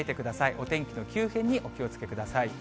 お天気の急変にお気をつけください。